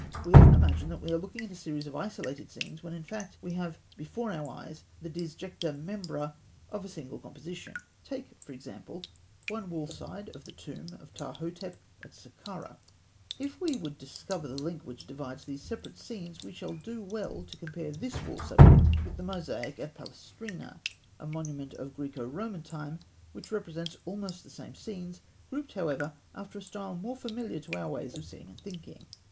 We often imagine that we are looking at a series of isolated scenes, when in fact we have before our eyes the disjecta membra of a single composition. Take, for example, one wall side of the tomb of Ptahhotep at Sakkarah (fig. 176). If we would discover the link which divides these separate scenes, we shall do well to compare this wall subject with the mosaic at Palestrina (fig. 177), a monument of Graeco Roman time which represents almost the same scenes, grouped, however, after a style more familiar to our ways of seeing and thinking.